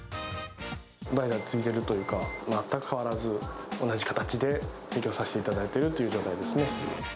代々続いてるというか、全く変わらず同じ形で提供させていただいているという状態ですね。